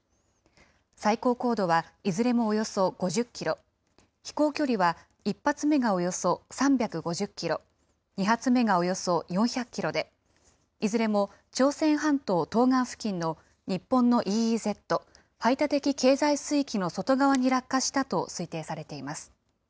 最高高度はいずれもおよそ５０キロ、飛行距離は１発目がおよそ３５０キロ、２発目がおよそ４００キロで、いずれも朝鮮半島東岸付近の日本のＥＥＺ・排他的経済水域の外側に落下したと推定されています。